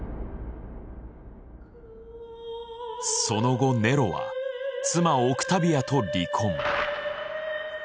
その後ネロは妻オクタビアと離婚。